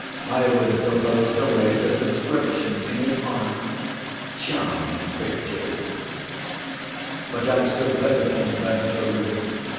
I would have proposed to raise a subscription in his honor! Charming pictures. "But I've still better things about children.